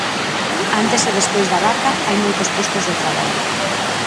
Antes e despois da vaca, hai moitos postos de traballo.